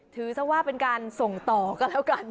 ถือซะว่าเป็นการส่งต่อก็แล้วกัน